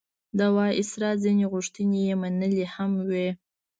د وایسرا ځینې غوښتنې یې منلي هم وې.